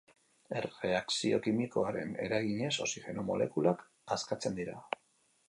Erreakzio kimikoaren eraginez, oxigeno molekulak askatzen dira.